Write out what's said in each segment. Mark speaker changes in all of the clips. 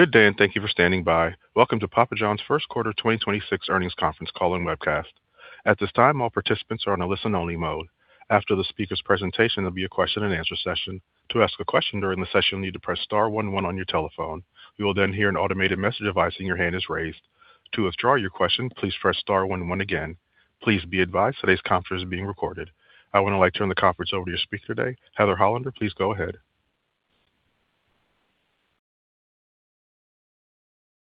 Speaker 1: Good day, and thank you for standing by. Welcome to Papa John's First Quarter 2026 Earnings Conference Call and Webcast. At this time, all participants are on a listen-only mode. After the speaker's presentation, there'll be a question-and-answer session. To ask a question during the session, you'll need to press star one one on your telephone. You will then hear an automated message advising your hand is raised. To withdraw your question, please press star one one again. Please be advised today's conference is being recorded. I would now like to turn the conference over to your speaker today, Heather Hollander. Please go ahead.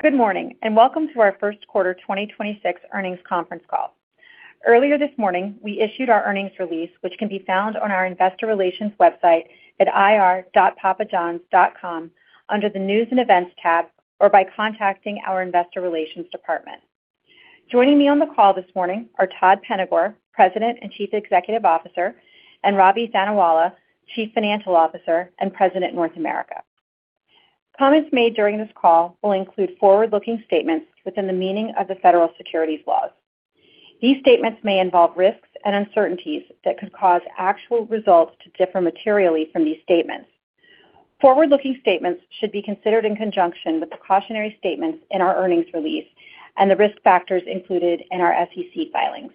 Speaker 2: Good morning, and welcome to our first quarter 2026 earnings conference call. Earlier this morning, we issued our earnings release, which can be found on our investor relations website at ir.papajohns.com under the News & Events tab or by contacting our investor relations department. Joining me on the call this morning are Todd Penegor, President and Chief Executive Officer, and Ravi Thanawala, Chief Financial Officer and President, North America. Comments made during this call will include forward-looking statements within the meaning of the federal securities laws. These statements may involve risks and uncertainties that could cause actual results to differ materially from these statements. Forward-looking statements should be considered in conjunction with precautionary statements in our earnings release and the risk factors included in our SEC filings.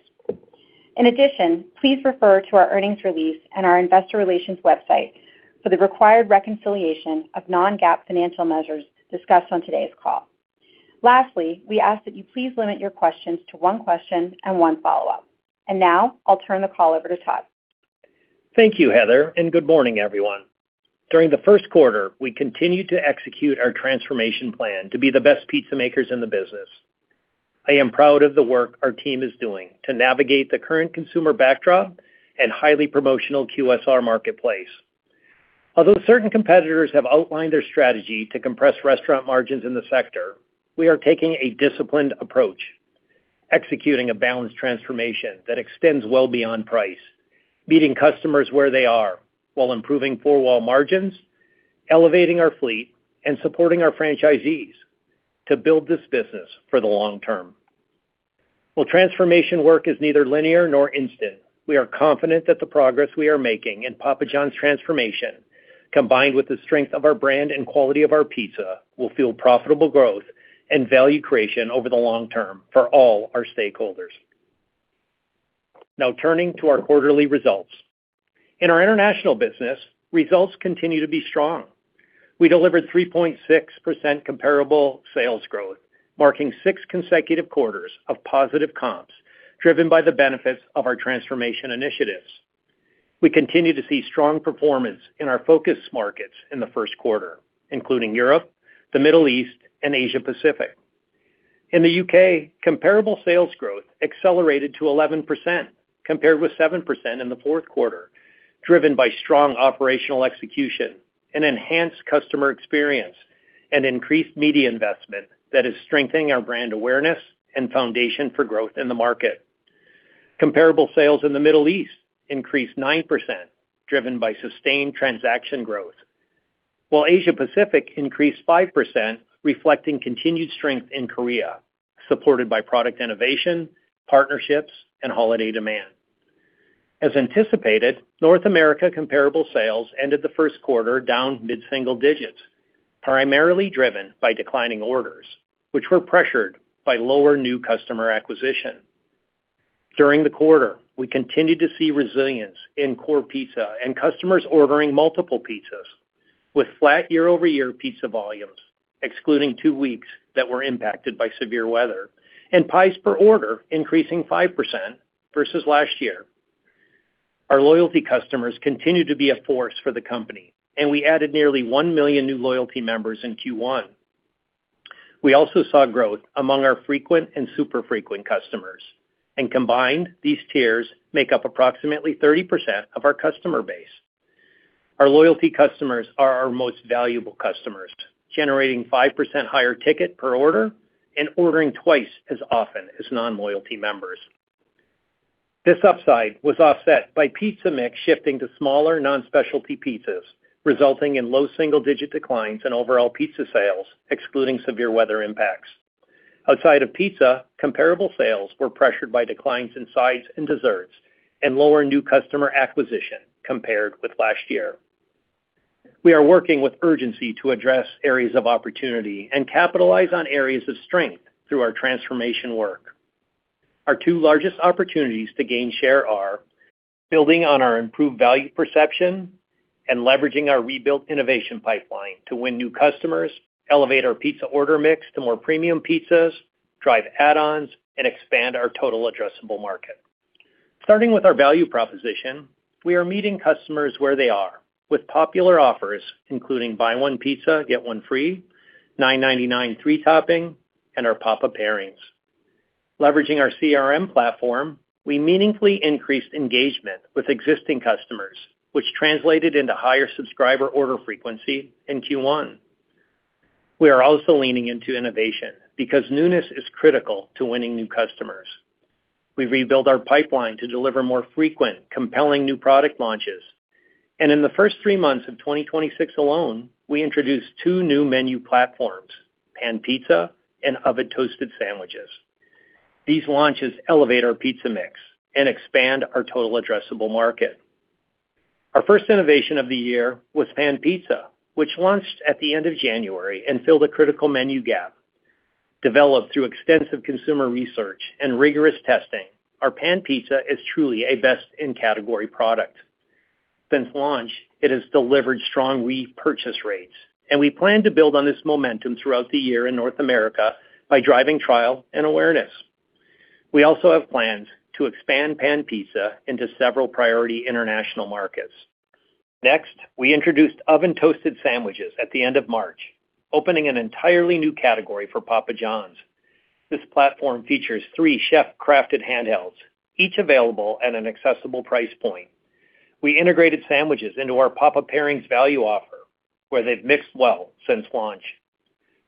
Speaker 2: Please refer to our earnings release and our investor relations website for the required reconciliation of non-GAAP financial measures discussed on today's call. We ask that you please limit your questions to one question and one follow-up. I'll turn the call over to Todd.
Speaker 3: Thank you, Heather, and good morning, everyone. During the first quarter, we continued to execute our transformation plan to be the best pizza makers in the business. I am proud of the work our team is doing to navigate the current consumer backdrop and highly promotional QSR marketplace. Although certain competitors have outlined their strategy to compress restaurant margins in the sector, we are taking a disciplined approach, executing a balanced transformation that extends well beyond price, meeting customers where they are while improving four-wall margins, elevating our fleet, and supporting our franchisees to build this business for the long term. While transformation work is neither linear nor instant, we are confident that the progress we are making in Papa John's transformation, combined with the strength of our brand and quality of our pizza, will fuel profitable growth and value creation over the long term for all our stakeholders. Now turning to our quarterly results. In our international business, results continue to be strong. We delivered 3.6% comparable sales growth, marking six consecutive quarters of positive comps, driven by the benefits of our transformation initiatives. We continue to see strong performance in our focus markets in the first quarter, including Europe, the Middle East, and Asia Pacific. In the U.K., comparable sales growth accelerated to 11% compared with 7% in the fourth quarter, driven by strong operational execution and enhanced customer experience and increased media investment that is strengthening our brand awareness and foundation for growth in the market. Comparable sales in the Middle East increased 9%, driven by sustained transaction growth, while Asia Pacific increased 5%, reflecting continued strength in Korea, supported by product innovation, partnerships, and holiday demand. As anticipated, North America comparable sales ended the first quarter down mid-single digits, primarily driven by declining orders, which were pressured by lower new customer acquisition. During the quarter, we continued to see resilience in core pizza and customers ordering multiple pizzas, with flat year-over-year pizza volumes, excluding two weeks that were impacted by severe weather, and pies per order increasing 5% versus last year. Our loyalty customers continue to be a force for the company, and we added nearly 1 million new loyalty members in Q1. We also saw growth among our frequent and super frequent customers, and combined, these tiers make up approximately 30% of our customer base. Our loyalty customers are our most valuable customers, generating 5% higher ticket per order and ordering twice as often as non-loyalty members. This upside was offset by pizza mix shifting to smaller, non-specialty pizzas, resulting in low single-digit declines in overall pizza sales, excluding severe weather impacts. Outside of pizza, comparable sales were pressured by declines in sides and desserts and lower new customer acquisition compared with last year. We are working with urgency to address areas of opportunity and capitalize on areas of strength through our transformation work. Our two largest opportunities to gain share are building on our improved value perception and leveraging our rebuilt innovation pipeline to win new customers, elevate our pizza order mix to more premium pizzas, drive add-ons, and expand our total addressable market. Starting with our value proposition, we are meeting customers where they are with popular offers, including Buy One Pizza, Get One Free, $9.99 three topping, and our Papa Pairings. Leveraging our CRM platform, we meaningfully increased engagement with existing customers, which translated into higher subscriber order frequency in Q1. We are also leaning into innovation because newness is critical to winning new customers. We've rebuilt our pipeline to deliver more frequent, compelling new product launches. In the first three months of 2026 alone, we introduced two new menu platforms, Pan Pizza and Oven-Toasted Sandwiches. These launches elevate our pizza mix and expand our total addressable market. Our first innovation of the year was Pan Pizza, which launched at the end of January and filled a critical menu gap. Developed through extensive consumer research and rigorous testing, our Pan Pizza is truly a best-in-category product. Since launch, it has delivered strong repurchase rates, and we plan to build on this momentum throughout the year in North America by driving trial and awareness. We also have plans to expand Pan Pizza into several priority international markets. Next, we introduced Oven-Toasted Sandwiches at the end of March, opening an entirely new category for Papa John's. This platform features three chef-crafted handhelds, each available at an accessible price point. We integrated sandwiches into our Papa Pairings value offer, where they've mixed well since launch.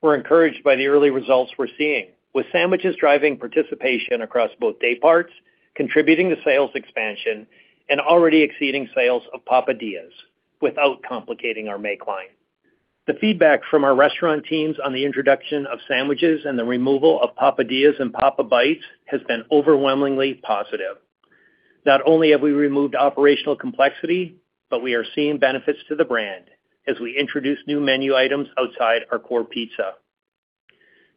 Speaker 3: We're encouraged by the early results we're seeing, with sandwiches driving participation across both day parts, contributing to sales expansion, and already exceeding sales of Papadias without complicating our make line. The feedback from our restaurant teams on the introduction of sandwiches and the removal of Papadias and Papa Bites has been overwhelmingly positive. Not only have we removed operational complexity, but we are seeing benefits to the brand as we introduce new menu items outside our core pizza.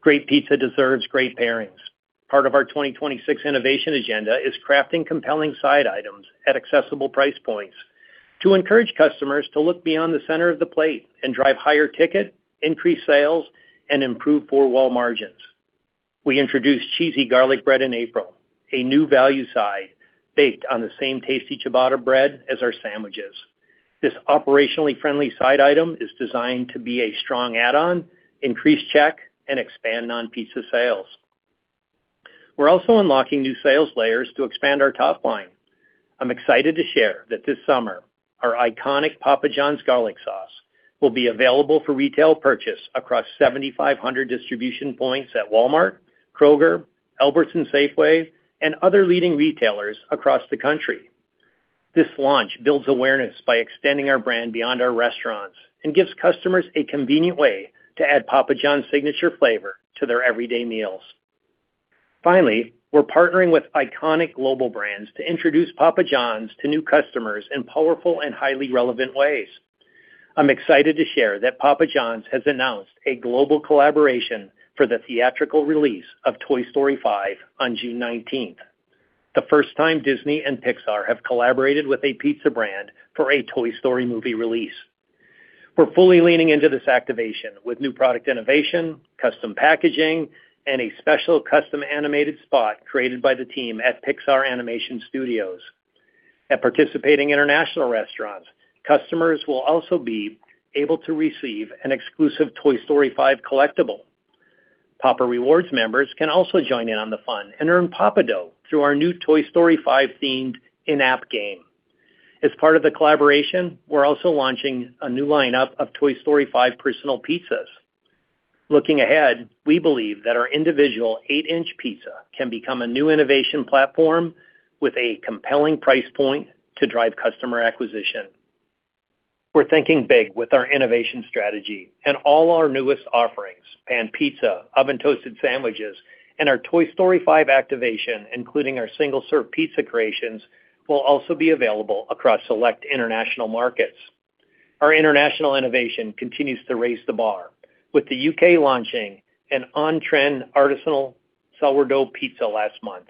Speaker 3: Great pizza deserves great pairings. Part of our 2026 innovation agenda is crafting compelling side items at accessible price points to encourage customers to look beyond the center of the plate and drive higher ticket, increase sales, and improve four wall margins. We introduced Cheesy Garlic Bread in April, a new value side baked on the same tasty ciabatta bread as our sandwiches. This operationally friendly side item is designed to be a strong add-on, increase check, and expand non-pizza sales. We're also unlocking new sales layers to expand our top line. I'm excited to share that this summer, our iconic Papa John's garlic sauce will be available for retail purchase across 7,500 distribution points at Walmart, Kroger, Albertsons, Safeway, and other leading retailers across the country. This launch builds awareness by extending our brand beyond our restaurants and gives customers a convenient way to add Papa John's signature flavor to their everyday meals. Finally, we're partnering with iconic global brands to introduce Papa John's to new customers in powerful and highly relevant ways. I'm excited to share that Papa John's has announced a global collaboration for the theatrical release of Toy Story 5 on June 19th, the first time Disney and Pixar have collaborated with a pizza brand for a Toy Story movie release. We're fully leaning into this activation with new product innovation, custom packaging, and a special custom animated spot created by the team at Pixar Animation Studios. At participating international restaurants, customers will also be able to receive an exclusive Toy Story 5 collectible. Papa Rewards members can also join in on the fun and earn Papa Dough through our new Toy Story 5-themed in-app game. As part of the collaboration, we're also launching a new lineup of Toy Story 5 personal pizzas. Looking ahead, we believe that our individual 8 in pizza can become a new innovation platform with a compelling price point to drive customer acquisition. We're thinking big with our innovation strategy. All our newest offerings, Pan Pizza, Oven-Toasted Sandwiches, and our Toy Story 5 activation, including our single-serve pizza creations, will also be available across select international markets. Our international innovation continues to raise the bar, with the U.K. launching an on-trend artisanal sourdough pizza last month.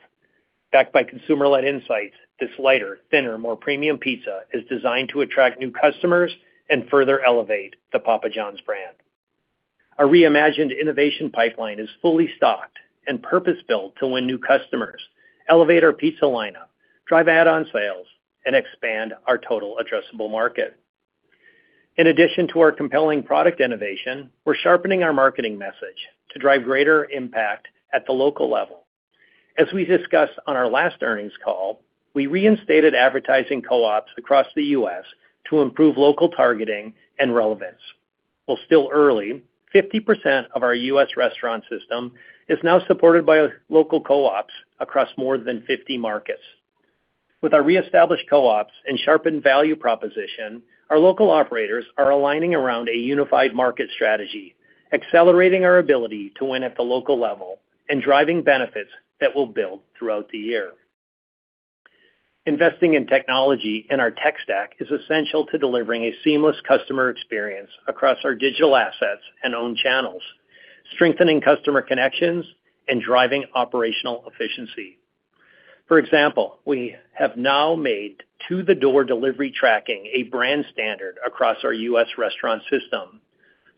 Speaker 3: Backed by consumer-led insights, this lighter, thinner, more premium pizza is designed to attract new customers and further elevate the Papa John's brand. Our reimagined innovation pipeline is fully stocked and purpose-built to win new customers, elevate our pizza lineup, drive add-on sales, and expand our total addressable market. In addition to our compelling product innovation, we're sharpening our marketing message to drive greater impact at the local level. As we discussed on our last earnings call, we reinstated advertising co-ops across the U.S. to improve local targeting and relevance. While still early, 50% of our U.S. restaurant system is now supported by local co-ops across more than 50 markets. With our reestablished co-ops and sharpened value proposition, our local operators are aligning around a unified market strategy, accelerating our ability to win at the local level and driving benefits that will build throughout the year. Investing in technology in our tech stack is essential to delivering a seamless customer experience across our digital assets and owned channels, strengthening customer connections and driving operational efficiency. For example, we have now made to-the-door delivery tracking a brand standard across our U.S. restaurant system.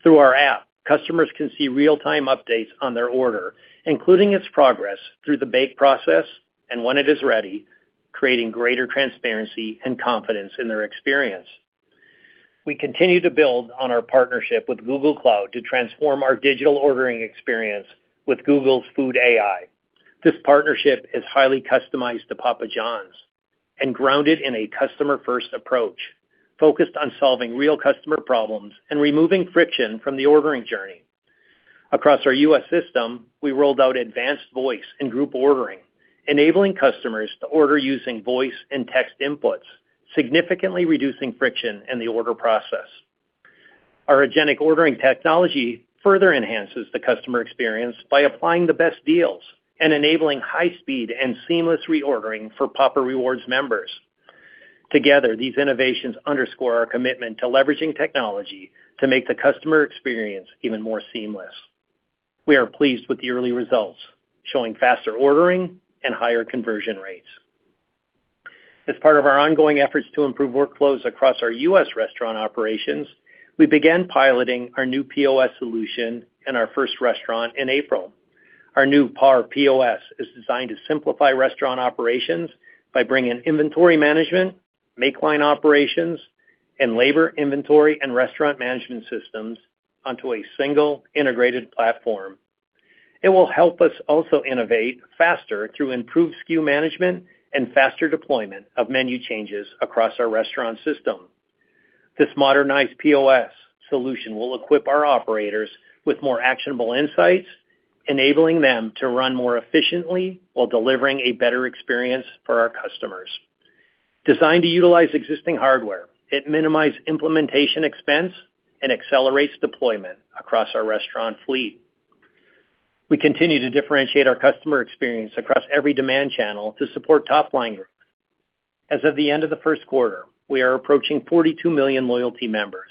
Speaker 3: Through our app, customers can see real-time updates on their order, including its progress through the bake process and when it is ready, creating greater transparency and confidence in their experience. We continue to build on our partnership with Google Cloud to transform our digital ordering experience with Google's Food AI. This partnership is highly customized to Papa John's and grounded in a customer-first approach, focused on solving real customer problems and removing friction from the ordering journey. Across our U.S. system, we rolled out advanced voice and group ordering, enabling customers to order using voice and text inputs, significantly reducing friction in the order process. Our agentic ordering technology further enhances the customer experience by applying the best deals and enabling high speed and seamless reordering for Papa Rewards members. Together, these innovations underscore our commitment to leveraging technology to make the customer experience even more seamless. We are pleased with the early results, showing faster ordering and higher conversion rates. As part of our ongoing efforts to improve workflows across our U.S. restaurant operations, we began piloting our new POS solution in our first restaurant in April. Our new PAR POS is designed to simplify restaurant operations by bringing inventory management, make line operations, and labor inventory and restaurant management systems onto a single integrated platform. It will help us also innovate faster through improved SKU management and faster deployment of menu changes across our restaurant system. This modernized POS solution will equip our operators with more actionable insights, enabling them to run more efficiently while delivering a better experience for our customers. Designed to utilize existing hardware, it minimize implementation expense and accelerates deployment across our restaurant fleet. We continue to differentiate our customer experience across every demand channel to support top-line growth. As of the end of the first quarter, we are approaching 42 million loyalty members,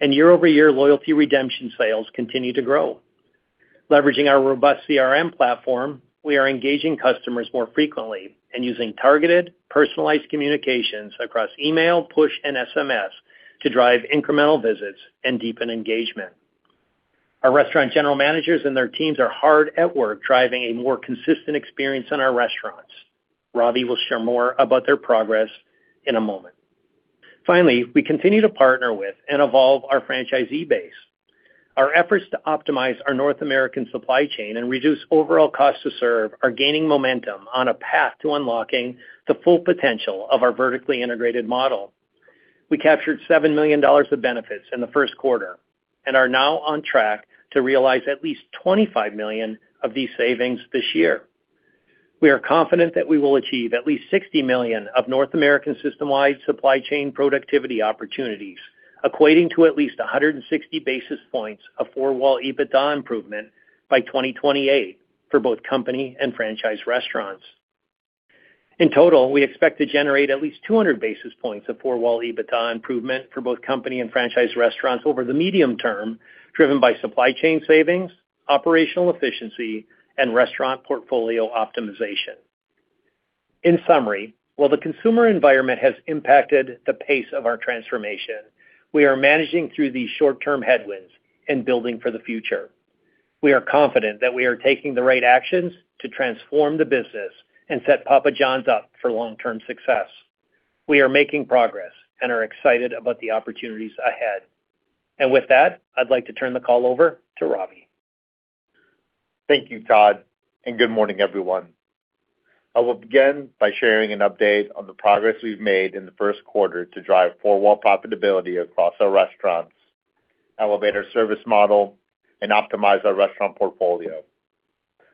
Speaker 3: and year-over-year loyalty redemption sales continue to grow. Leveraging our robust CRM platform, we are engaging customers more frequently and using targeted personalized communications across email, push, and SMS to drive incremental visits and deepen engagement. Our restaurant general managers and their teams are hard at work driving a more consistent experience in our restaurants. Ravi will share more about their progress in a moment. We continue to partner with and evolve our franchisee base. Our efforts to optimize our North American supply chain and reduce overall cost to serve are gaining momentum on a path to unlocking the full potential of our vertically integrated model. We captured $7 million of benefits in the first quarter and are now on track to realize at least $25 million of these savings this year. We are confident that we will achieve at least $60 million of North American system-wide supply chain productivity opportunities, equating to at least 160 basis points of four-wall EBITDA improvement by 2028 for both company and franchise restaurants. In total, we expect to generate at least 200 basis points of four-wall EBITDA improvement for both company and franchise restaurants over the medium term, driven by supply chain savings, operational efficiency, and restaurant portfolio optimization. In summary, while the consumer environment has impacted the pace of our transformation, we are managing through these short-term headwinds and building for the future. We are confident that we are taking the right actions to transform the business and set Papa John's up for long-term success. We are making progress and are excited about the opportunities ahead. With that, I'd like to turn the call over to Ravi.
Speaker 4: Thank you, Todd, and good morning, everyone. I will begin by sharing an update on the progress we've made in the first quarter to drive four-wall profitability across our restaurants, elevate our service model, and optimize our restaurant portfolio.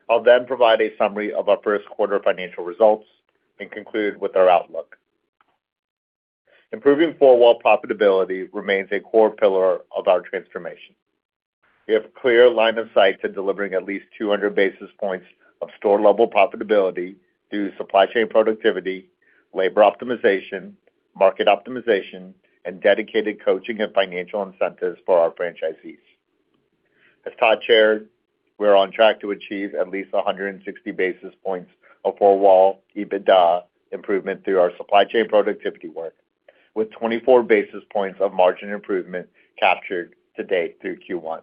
Speaker 4: I'll then provide a summary of our first quarter financial results and conclude with our outlook. Improving four-wall profitability remains a core pillar of our transformation. We have clear line of sight to delivering at least 200 basis points of store-level profitability through supply chain productivity, labor optimization, market optimization, and dedicated coaching and financial incentives for our franchisees. As Todd shared, we are on track to achieve at least 160 basis points of four-wall EBITDA improvement through our supply chain productivity work, with 24 basis points of margin improvement captured to date through Q1.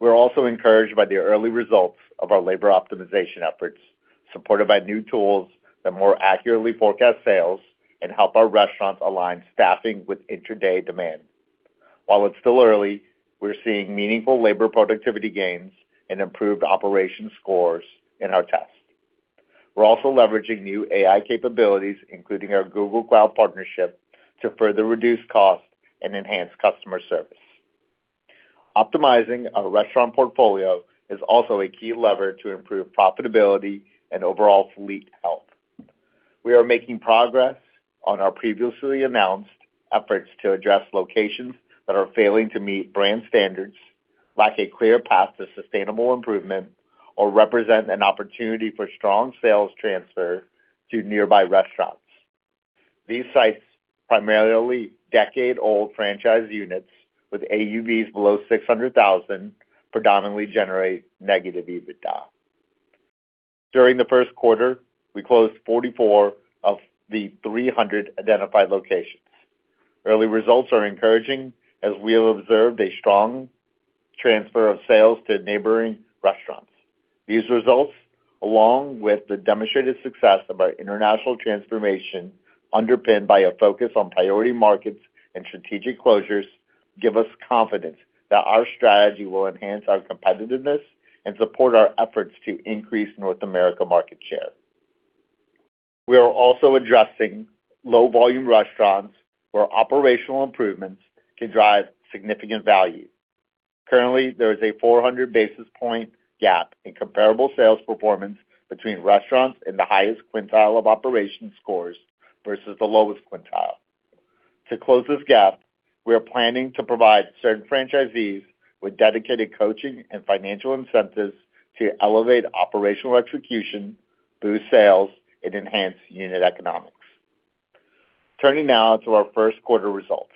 Speaker 4: We're also encouraged by the early results of our labor optimization efforts, supported by new tools that more accurately forecast sales and help our restaurants align staffing with intraday demand. While it's still early, we're seeing meaningful labor productivity gains and improved operation scores in our test. We're also leveraging new AI capabilities, including our Google Cloud partnership, to further reduce costs and enhance customer service. Optimizing our restaurant portfolio is also a key lever to improve profitability and overall fleet health. We are making progress on our previously announced efforts to address locations that are failing to meet brand standards, lack a clear path to sustainable improvement, or represent an opportunity for strong sales transfer to nearby restaurants. These sites, primarily decade-old franchise units with AUVs below $600,000, predominantly generate negative EBITDA. During the first quarter, we closed 44 of the 300 identified locations. Early results are encouraging as we have observed a strong transfer of sales to neighboring restaurants. These results, along with the demonstrated success of our international transformation, underpinned by a focus on priority markets and strategic closures, give us confidence that our strategy will enhance our competitiveness and support our efforts to increase North America market share. We are also addressing low-volume restaurants where operational improvements can drive significant value. Currently, there is a 400 basis point gap in comparable sales performance between restaurants in the highest quintile of operation scores versus the lowest quintile. To close this gap, we are planning to provide certain franchisees with dedicated coaching and financial incentives to elevate operational execution, boost sales and enhance unit economics. Turning now to our first quarter results.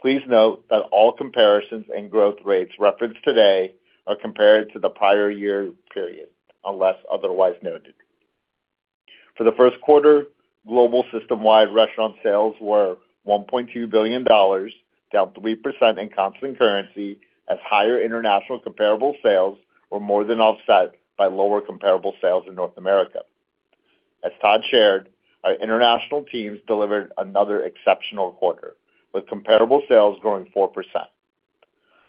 Speaker 4: Please note that all comparisons and growth rates referenced today are compared to the prior year period, unless otherwise noted. For the first quarter, global system-wide restaurant sales were $1.2 billion, down 3% in constant currency as higher international comparable sales were more than offset by lower comparable sales in North America. As Todd shared, our international teams delivered another exceptional quarter, with comparable sales growing 4%.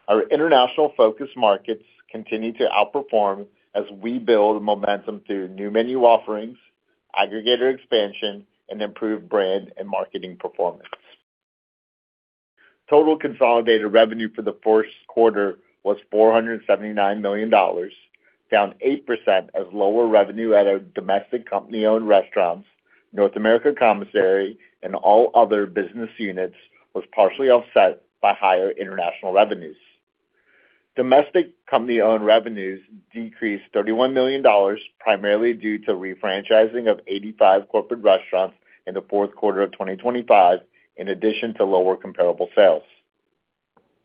Speaker 4: Our international focus markets continue to outperform as we build momentum through new menu offerings, aggregator expansion, and improved brand and marketing performance. Total consolidated revenue for the first quarter was $479 million, down 8% as lower revenue at our domestic company-owned restaurants, North America commissary, and all other business units was partially offset by higher international revenues. Domestic company-owned revenues decreased $31 million, primarily due to refranchising of 85 corporate restaurants in the fourth quarter of 2025, in addition to lower comparable sales.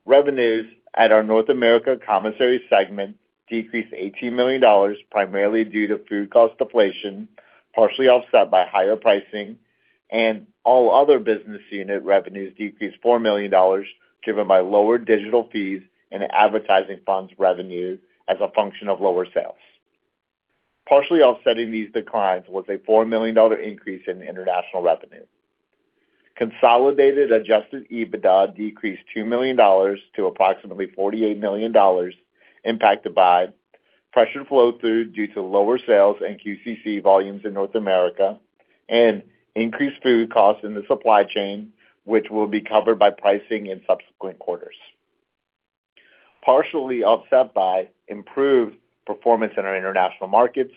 Speaker 4: Revenues at our North America commissary segment decreased $18 million, primarily due to food cost deflation, partially offset by higher pricing. All other business unit revenues decreased $4 million, driven by lower digital fees and advertising funds revenues as a function of lower sales. Partially offsetting these declines was a $4 million increase in international revenue. Consolidated adjusted EBITDA decreased $2 million to approximately $48 million, impacted by pressure flow through due to lower sales and QCC volumes in North America and increased food costs in the supply chain, which will be covered by pricing in subsequent quarters. Partially offset by improved performance in our international markets,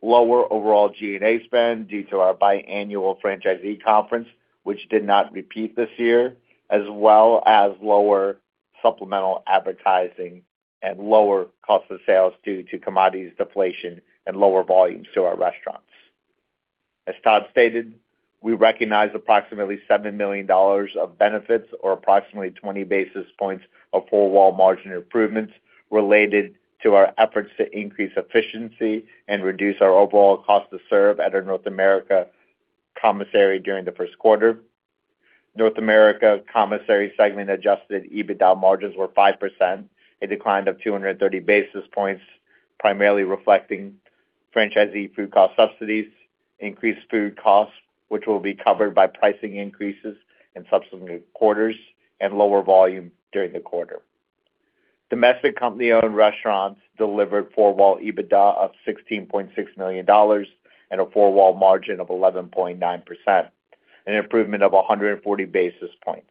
Speaker 4: lower overall G&A spend due to our biannual franchisee conference, which did not repeat this year, as well as lower supplemental advertising and lower cost of sales due to commodities deflation and lower volumes to our restaurants. As Todd stated, we recognize approximately $7 million of benefits or approximately 20 basis points of overall margin improvements related to our efforts to increase efficiency and reduce our overall cost to serve at our North America Commissary during the first quarter. North America Commissary Segment adjusted EBITDA margins were 5%. It declined by 230 basis points, primarily reflecting franchisee food cost subsidies, increased food costs, which will be covered by pricing increases in subsequent quarters and lower volume during the quarter. Domestic company-owned restaurants delivered four-wall EBITDA of $16.6 million and an four-wall margin of 11.9%, an improvement of 140 basis points.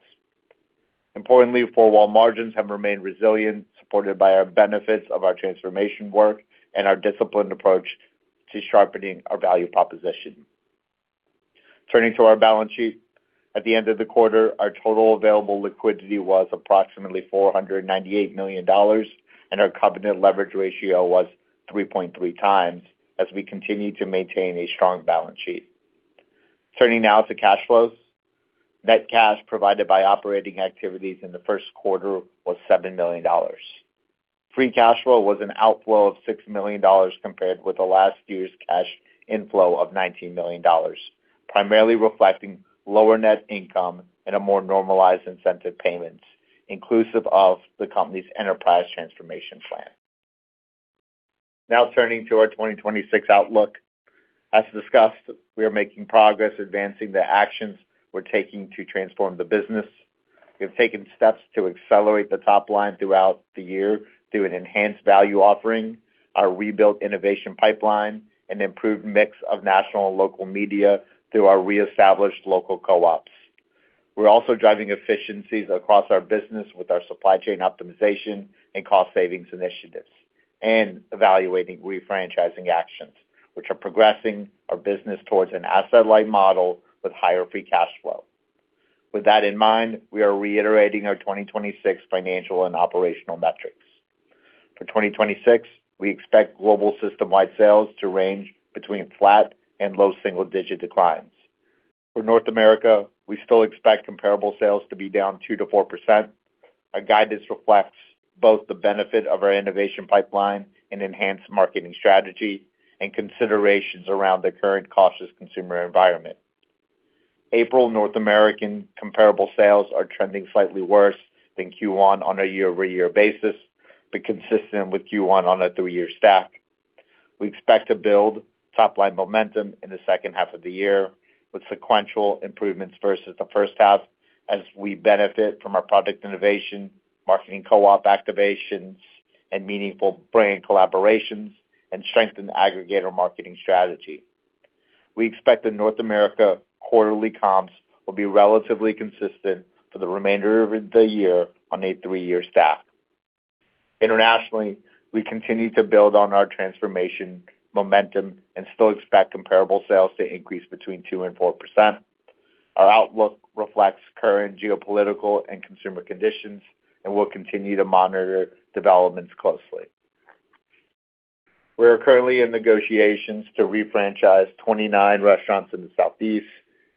Speaker 4: Importantly, four-wall margins have remained resilient, supported by our benefits of our transformation work and our disciplined approach to sharpening our value proposition. Turning to our balance sheet. At the end of the quarter, our total available liquidity was approximately $498 million. Our covenant leverage ratio was 3.3x as we continue to maintain a strong balance sheet. Turning now to cash flows. Net cash provided by operating activities in the first quarter was $7 million. Free cash flow was an outflow of $6 million compared with last year's cash inflow of $19 million, primarily reflecting lower net income and a more normalized incentive payments inclusive of the company's enterprise transformation plan. Now turning to our 2026 outlook. As discussed, we are making progress advancing the actions we're taking to transform the business. We have taken steps to accelerate the top line throughout the year through an enhanced value offering, our rebuilt innovation pipeline, and improved mix of national and local media through our reestablished local co-ops. We're also driving efficiencies across our business with our supply chain optimization and cost savings initiatives and evaluating refranchising actions, which are progressing our business towards an asset-light model with higher free cash flow. With that in mind, we are reiterating our 2026 financial and operational metrics. For 2026, we expect global system-wide sales to range between flat and low single-digit declines. For North America, we still expect comparable sales to be down 2%-4%. Our guidance reflects both the benefit of our innovation pipeline and enhanced marketing strategy and considerations around the current cautious consumer environment. April North American comparable sales are trending slightly worse than Q1 on a year-over-year basis, but consistent with Q1 on a three-year stack. We expect to build top line momentum in the second half of the year with sequential improvements versus the first half as we benefit from our product innovation, marketing co-op activations and meaningful brand collaborations and strengthen aggregator marketing strategy. We expect that North America quarterly comps will be relatively consistent for the remainder of the year on a three-year stack. Internationally, we continue to build on our transformation momentum and still expect comparable sales to increase between 2% and 4%. Our outlook reflects current geopolitical and consumer conditions, and we'll continue to monitor developments closely. We are currently in negotiations to refranchise 29 restaurants in the Southeast,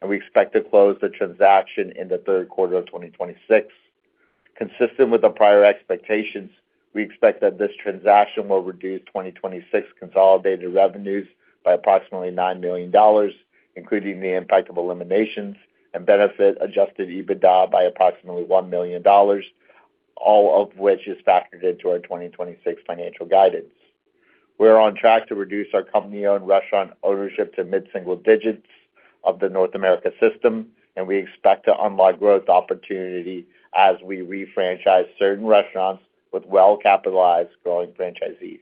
Speaker 4: and we expect to close the transaction in the third quarter of 2026. Consistent with the prior expectations, we expect that this transaction will reduce 2026 consolidated revenues by approximately $9 million, including the impact of eliminations and benefit adjusted EBITDA by approximately $1 million, all of which is factored into our 2026 financial guidance. We are on track to reduce our company-owned restaurant ownership to mid-single digits of the North America system, and we expect to unlock growth opportunity as we refranchise certain restaurants with well-capitalized growing franchisees.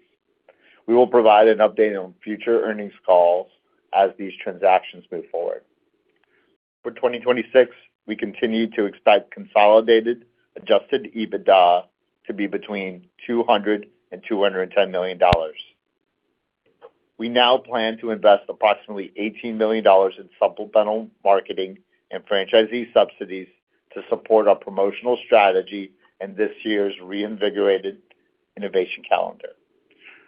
Speaker 4: We will provide an update on future earnings calls as these transactions move forward. For 2026, we continue to expect consolidated adjusted EBITDA to be between $200 million and $210 million. We now plan to invest approximately $18 million in supplemental marketing and franchisee subsidies to support our promotional strategy and this year's reinvigorated innovation calendar.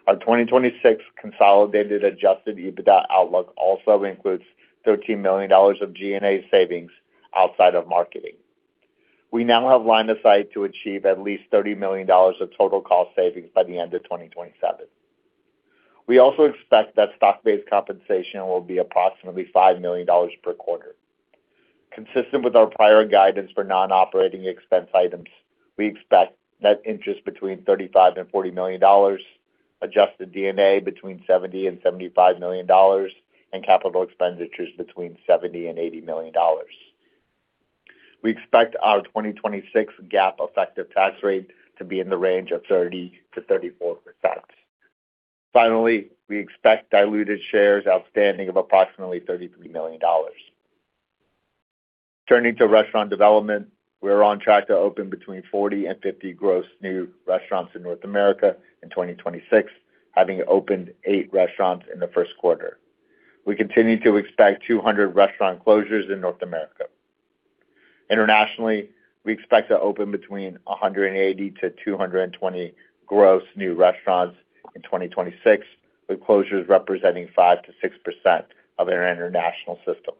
Speaker 4: Our 2026 consolidated adjusted EBITDA outlook also includes $13 million of G&A savings outside of marketing. We now have line of sight to achieve at least $30 million of total cost savings by the end of 2027. We also expect that stock-based compensation will be approximately $5 million per quarter. Consistent with our prior guidance for non-operating expense items, we expect net interest between $35 million-$40 million, adjusted D&A between $70 million-$75 million, and capital expenditures between $70 million-$80 million. We expect our 2026 GAAP effective tax rate to be in the range of 30%-34%. Finally, we expect diluted shares outstanding of approximately $33 million. Turning to restaurant development, we are on track to open between 40 and 50 gross new restaurants in North America in 2026, having opened eight restaurants in the first quarter. We continue to expect 200 restaurant closures in North America. Internationally, we expect to open between 180 to 220 gross new restaurants in 2026, with closures representing 5%-6% of our international system.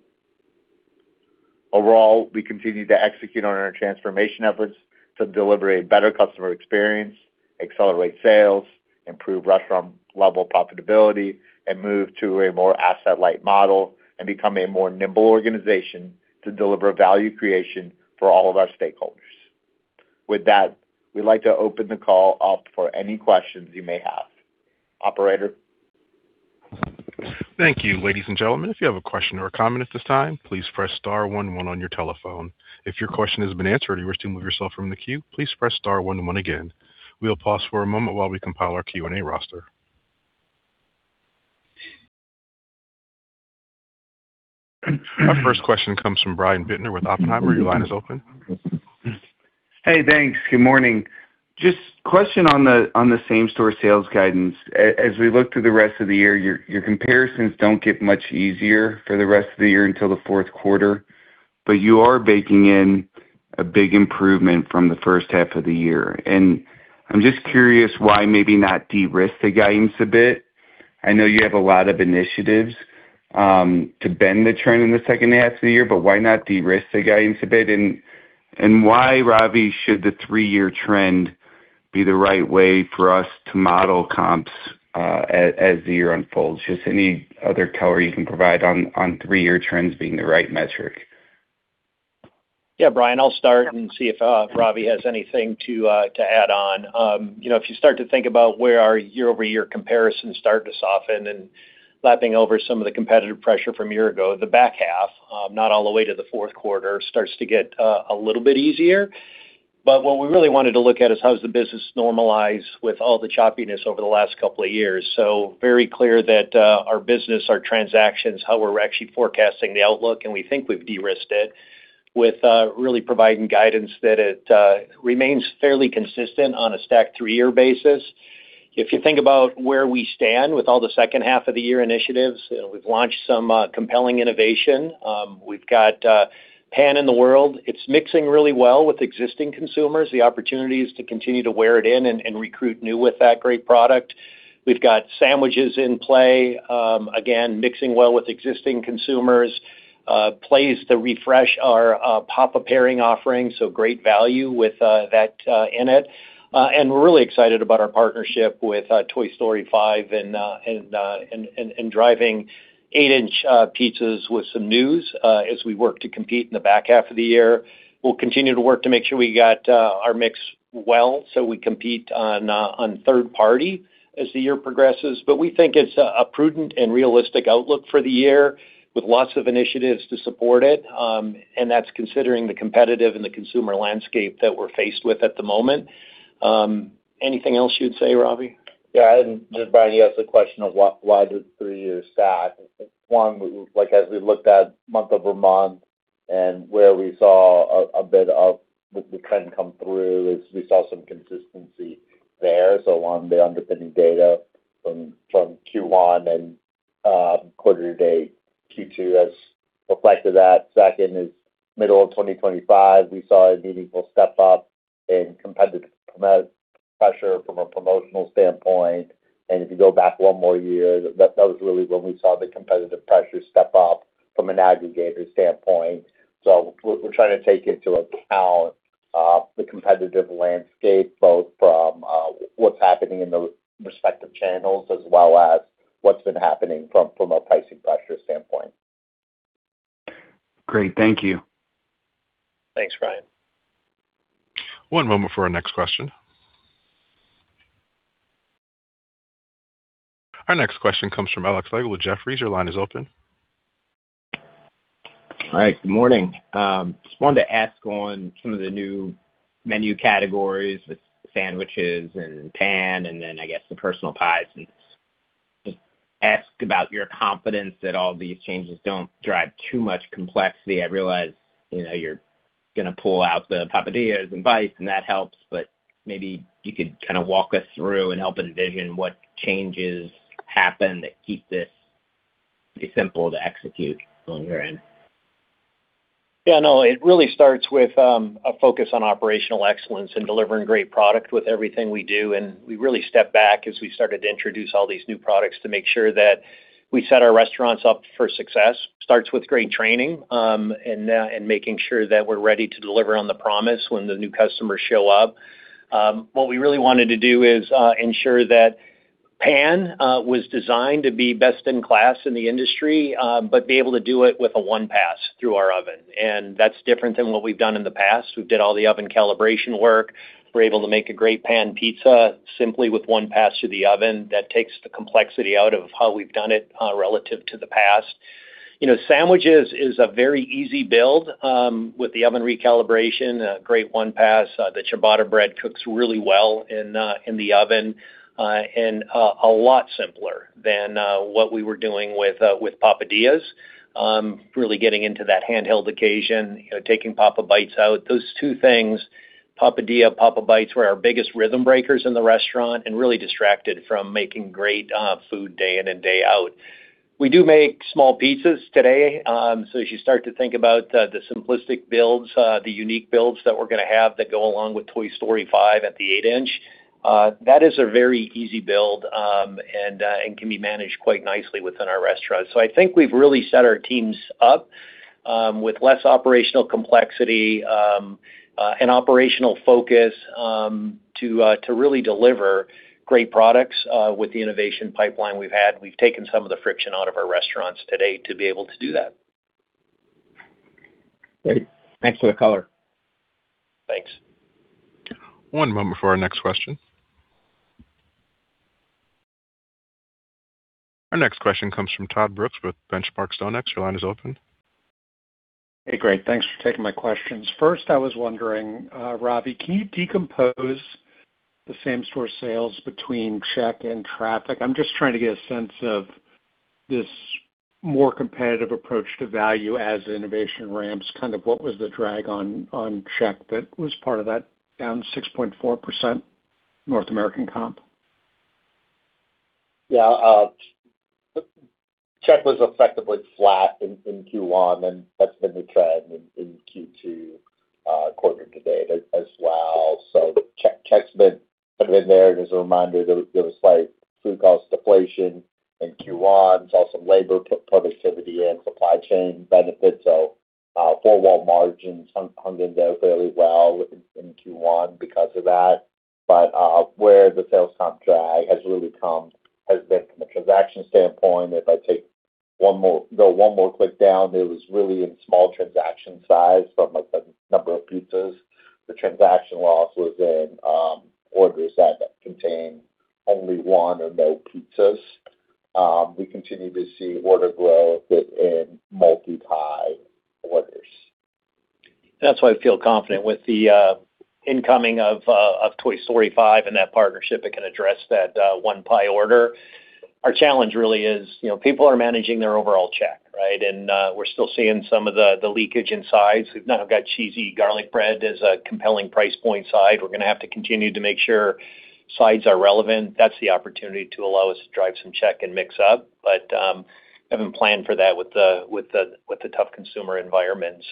Speaker 4: Overall, we continue to execute on our transformation efforts to deliver a better customer experience, accelerate sales, improve restaurant-level profitability, and move to a more asset-light model and become a more nimble organization to deliver value creation for all of our stakeholders. With that, we'd like to open the call up for any questions you may have. Operator?
Speaker 1: Thank you. Ladies and gentlemen, if you have a question or a comment at this time, please press star one one on your telephone. If your question has been answered and you wish to remove yourself from the queue, please press star one one again. We'll pause for a moment while we compile our Q&A roster. Our first question comes from Brian Bittner with Oppenheimer. Your line is open.
Speaker 5: Hey, thanks. Good morning. Just question on the same-store sales guidance. As we look to the rest of the year, your comparisons don't get much easier for the rest of the year until the fourth quarter, but you are baking in a big improvement from the first half of the year. I'm just curious why maybe not de-risk the guidance a bit. I know you have a lot of initiatives to bend the trend in the second half of the year, but why not de-risk the guidance a bit? Why, Ravi, should the three-year trend be the right way for us to model comps as the year unfolds? Just any other color you can provide on three-year trends being the right metric.
Speaker 3: Brian, I'll start and see if Ravi has anything to add on. You know, if you start to think about where our year-over-year comparisons start to soften and lapping over some of the competitive pressure from a year ago, the back half, not all the way to the fourth quarter, starts to get a little bit easier. Very clear that our business, our transactions, how we're actually forecasting the outlook, and we think we've de-risked it with really providing guidance that it remains fairly consistent on a stacked three-year basis. If you think about where we stand with all the second half of the year initiatives, you know, we've launched some compelling innovation. We've got Pan in the world. It's mixing really well with existing consumers, the opportunities to continue to wear it in and recruit new with that great product. We've got sandwiches in play, again, mixing well with existing consumers. Plays to refresh our Papa Pairings offering, so great value with that in it. We're really excited about our partnership with Toy Story 5 and driving 8 in pizzas with some news as we work to compete in the back half of the year. We'll continue to work to make sure we got our mix well, so we compete on third-party as the year progresses. We think it's a prudent and realistic outlook for the year with lots of initiatives to support it, and that's considering the competitive and the consumer landscape that we're faced with at the moment. Anything else you'd say, Ravi?
Speaker 4: Just, Brian, you asked the question of why the three-year stack? One, like as we looked at month-over-month and where we saw a bit of the trend come through is we saw some consistency there. On the underpinning data from Q1 and quarter-to-date, Q2 has reflected that. Back in the middle of 2025, we saw a meaningful step up in competitive pressure from a promotional standpoint. If you go back one more year, that was really when we saw the competitive pressure step up from an aggregator standpoint. We're trying to take into account the competitive landscape, both from what's happening in the respective channels as well as what's been happening from a pricing pressure standpoint.
Speaker 5: Great. Thank you.
Speaker 3: Thanks, Brian.
Speaker 1: One moment for our next question. Our next question comes from Alex Slagle with Jefferies. Your line is open.
Speaker 6: All right. Good morning. Just wanted to ask on some of the new menu categories with sandwiches and Pan, and then I guess the personal pies, and just ask about your confidence that all these changes don't drive too much complexity. I realize, you know, you're gonna pull out the Papadia and Papa Bites, and that helps, but maybe you could kind of walk us through and help envision what changes happen that keep this pretty simple to execute on your end.
Speaker 3: Yeah, no, it really starts with a focus on operational excellence and delivering great product with everything we do. We really stepped back as we started to introduce all these new products to make sure that we set our restaurants up for success. Starts with great training and making sure that we're ready to deliver on the promise when the new customers show up. What we really wanted to do is ensure that Pan was designed to be best in class in the industry, but be able to do it with a one pass through our oven. That's different than what we've done in the past. We did all the oven calibration work. We're able to make a great Pan Pizza simply with one pass through the oven. That takes the complexity out of how we've done it, relative to the past. You know, sandwiches is a very easy build, with the oven recalibration, a great one pass. The ciabatta bread cooks really well in the oven. And a lot simpler than what we were doing with Papadia. Really getting into that handheld occasion, you know, taking Papa Bites out. Those two things, Papadia, Papa Bites, were our biggest rhythm breakers in the restaurant and really distracted from making great food day in and day out. We do make small pizzas today. As you start to think about the simplistic builds, the unique builds that we're gonna have that go along with Toy Story 5 at the 8 in, that is a very easy build, and can be managed quite nicely within our restaurants. I think we've really set our teams up with less operational complexity, and operational focus, to really deliver great products with the innovation pipeline we've had. We've taken some of the friction out of our restaurants today to be able to do that.
Speaker 6: Great. Thanks for the color.
Speaker 3: Thanks.
Speaker 1: One moment for our next question. Our next question comes from Todd Brooks with Benchmark StoneX. Your line is open.
Speaker 7: Hey, great. Thanks for taking my questions. First, I was wondering, Ravi, can you decompose the same-store sales between check and traffic? I'm just trying to get a sense of this more competitive approach to value as innovation ramps. Kind of what was the drag on check that was part of that down 6.4% North American comp?
Speaker 4: Yeah, check was effectively flat in Q1, and that's been the trend in Q2 quarter to date as well. Check's been kind of in there. As a reminder, there was slight food cost deflation in Q1. There's also labor productivity and supply chain benefits. Four-wall margins hung in there fairly well within Q1 because of that. Where the sales comp drag has really come has been from a transaction standpoint. If I go one more click down, it was really in small transaction size from, like, the number of pizzas. The transaction loss was in orders that contained only one or no pizzas. We continue to see order growth in multi-pie orders.
Speaker 3: That's why I feel confident with the incoming of Toy Story 5 and that partnership that can address that one pie order. Our challenge really is, you know, people are managing their overall check, right? We're still seeing some of the leakage in sides. We've now got Cheesy Garlic Bread as a compelling price point side. We're gonna have to continue to make sure sides are relevant. That's the opportunity to allow us to drive some check and mix up. Haven't planned for that with the, with the, with the tough consumer environment.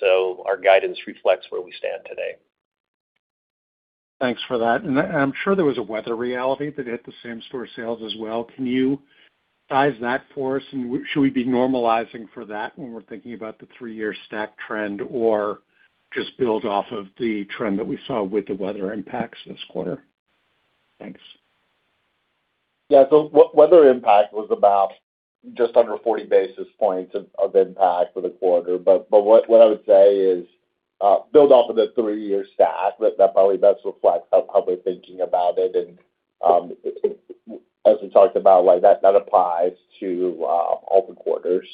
Speaker 3: Our guidance reflects where we stand today.
Speaker 7: Thanks for that. I'm sure there was a weather reality that hit the same-store sales as well. Can you size that for us? Should we be normalizing for that when we're thinking about the three-year stack trend, or just build off of the trend that we saw with the weather impacts this quarter? Thanks.
Speaker 4: Weather impact was about just under 40 basis points of impact for the quarter. What I would say is, build off of the three-year stack. That probably best reflects how I'm probably thinking about it. As we talked about, that applies to all the quarters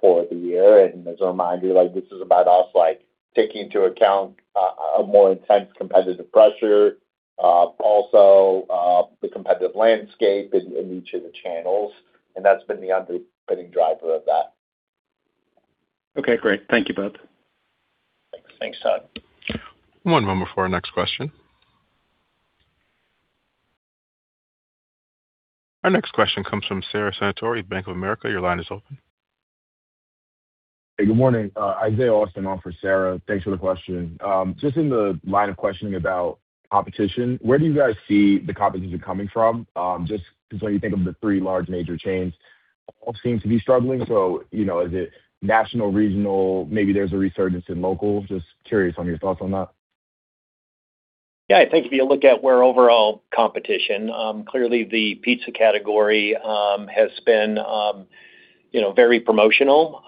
Speaker 4: for the year, as a reminder, this is about us taking into account more intense competitive pressure, also the competitive landscape in each of the channels, that's been the underpinning driver of that.
Speaker 7: Okay, great. Thank you, [both].
Speaker 3: Thanks, Todd.
Speaker 1: One moment before our next question. Our next question comes from Sara Senatore, Bank of America, your line is open.
Speaker 8: Hey, good morning, Isiah Austin on for Sara. Thanks for the question. Just in the line of questioning about competition, where do you guys see the competition coming from? Just because when you think of the three large major chains, all seem to be struggling. You know, is it national, regional? Maybe there's a resurgence in local. Just curious on your thoughts on that.
Speaker 3: Yeah. I think if you look at where overall competition, clearly the pizza category has been, you know, very promotional,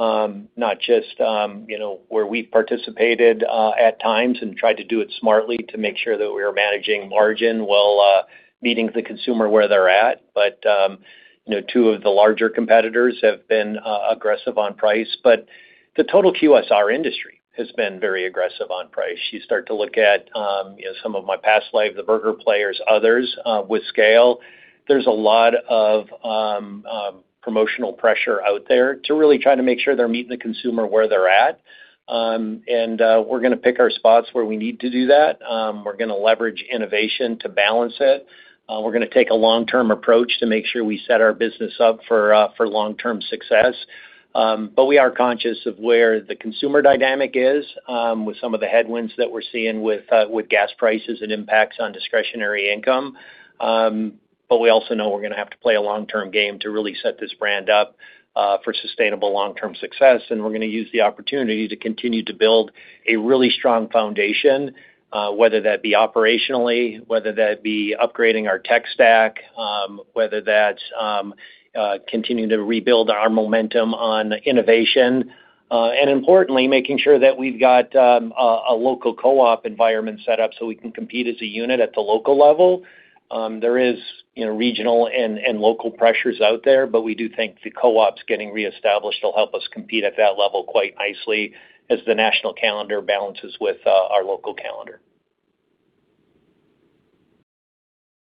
Speaker 3: not just, you know, where we participated at times and tried to do it smartly to make sure that we were managing margin while meeting the consumer where they're at. You know, two of the larger competitors have been aggressive on price. The total QSR industry has been very aggressive on price. You start to look at, you know, some of my past life, the burger players, others with scale. There's a lot of promotional pressure out there to really try to make sure they're meeting the consumer where they're at. We're gonna pick our spots where we need to do that. We're gonna leverage innovation to balance it. We're gonna take a long-term approach to make sure we set our business up for long-term success. We are conscious of where the consumer dynamic is with some of the headwinds that we're seeing with gas prices and impacts on discretionary income. We also know we're gonna have to play a long-term game to really set this brand up for sustainable long-term success, and we're gonna use the opportunity to continue to build a really strong foundation, whether that be operationally, whether that be upgrading our tech stack, whether that's continuing to rebuild our momentum on innovation, and importantly, making sure that we've got a local co-op environment set up so we can compete as a unit at the local level. There is, you know, regional and local pressures out there, but we do think the co-ops getting reestablished will help us compete at that level quite nicely as the national calendar balances with our local calendar.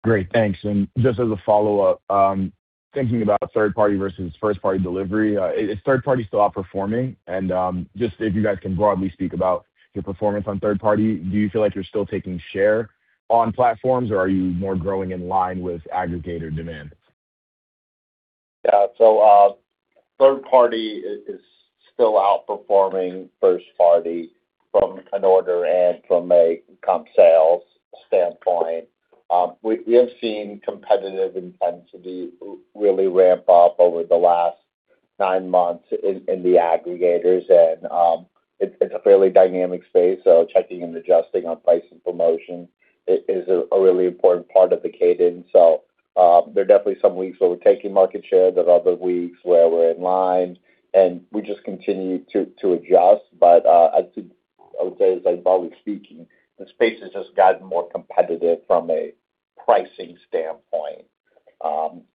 Speaker 8: Great. Thanks. Just as a follow-up, thinking about third party versus first party delivery, is third party still outperforming? Just if you guys can broadly speak about your performance on third party, do you feel like you're still taking share on platforms, or are you more growing in line with aggregator demand?
Speaker 4: Yeah. Third party is still outperforming first party from an order and from a comp sales standpoint. We have seen competitive intensity really ramp up over the last nine months in the aggregators, and it's a fairly dynamic space, so checking and adjusting on price and promotion is a really important part of the cadence. There are definitely some weeks where we're taking market share. There are other weeks where we're in line, and we just continue to adjust. I would say as, like, broadly speaking, the space has just gotten more competitive from a pricing standpoint.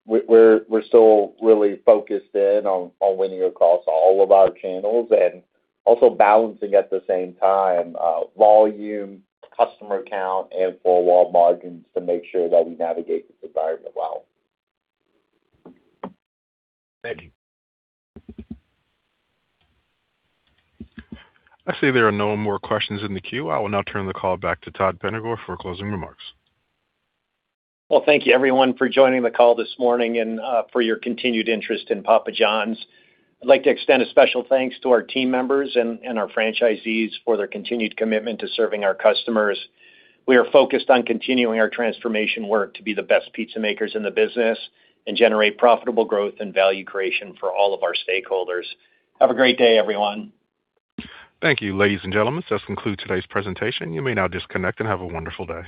Speaker 4: We're still really focused in on winning across all of our channels and also balancing at the same time, volume, customer count, and four wall margins to make sure that we navigate this environment well.
Speaker 8: Thank you.
Speaker 1: I see there are no more questions in the queue. I will now turn the call back to Todd Penegor for closing remarks.
Speaker 3: Well, thank you everyone for joining the call this morning and for your continued interest in Papa John's. I'd like to extend a special thanks to our team members and our franchisees for their continued commitment to serving our customers. We are focused on continuing our transformation work to be the best pizza makers in the business and generate profitable growth and value creation for all of our stakeholders. Have a great day, everyone.
Speaker 1: Thank you, ladies and gentlemen. This concludes today's presentation. You may now disconnect and have a wonderful day.